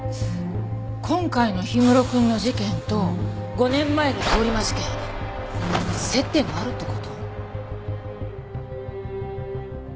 今回の氷室くんの事件と５年前の通り魔事件接点があるって事？